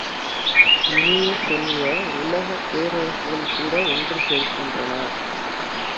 இனிய செல்வ, உலகப் பேரரசுகள் கூட ஒன்று சேர்கின்றன!